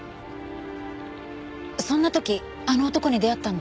そんな時あの男に出会ったんだ。